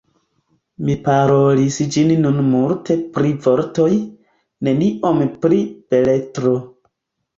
Mi parolis ĝis nun multe pri vortoj, neniom pri beletro.